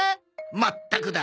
まったくだ。